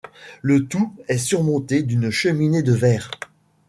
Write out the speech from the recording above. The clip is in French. Le tout est surmonté d'une cheminée de verre.